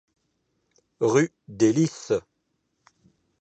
Rue des lices.